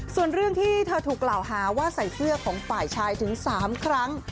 ส่วนเรื่องที่เธอถูกกล่าวหาว่าใส่เสื้อของฝ่ายชายถึง๓ครั้ง